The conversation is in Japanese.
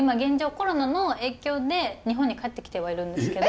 コロナの影響で日本に帰ってきてはいるんですけど。